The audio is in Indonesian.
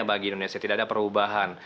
bagi indonesia tidak ada perubahan